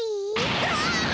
あっ！